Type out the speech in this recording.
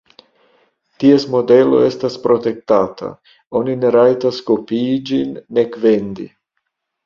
Ties modelo estas protektata: oni ne rajtas kopii ĝin, nek vendi.